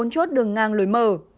bốn mươi bốn chốt đường ngang lối mở